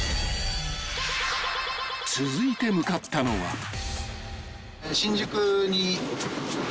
［続いて向かったのは］いや。